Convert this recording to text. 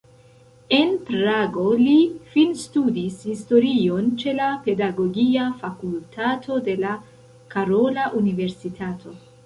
En Prago li finstudis historion ĉe la pedagogia fakultato de la Karola Universitato.